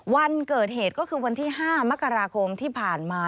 วันเกิดเหตุก็คือวันที่๕มกราคมที่ผ่านมา